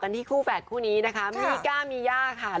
ที่คู่แฝดคู่นี้นะคะมีก้ามีย่าค่ะ